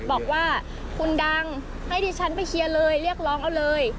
บอกว่าคุณดังให้ดิฉันไปเคลียร์เลยเรียกร้องเอาเลย